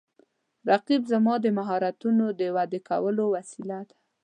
رقیب زما د مهارتونو د وده کولو وسیله ده